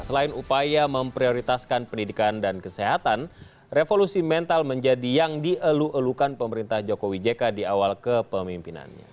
selain upaya memprioritaskan pendidikan dan kesehatan revolusi mental menjadi yang dielu elukan pemerintah jokowi jk di awal kepemimpinannya